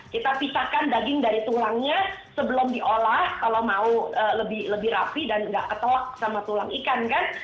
kita pisahkan daging dari tulangnya sebelum diolah kalau mau lebih rapi dan nggak ketolak sama tulang ikan kan